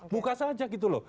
buka saja gitu loh